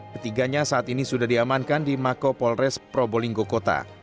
ketiganya saat ini sudah diamankan di mako polres probolinggo kota